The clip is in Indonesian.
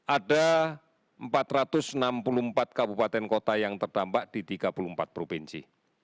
ada empat ratus enam puluh empat kabupaten kota yang terdampak di tiga puluh empat provinsi